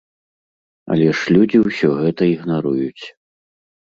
Але ж людзі ўсё гэта ігнаруюць.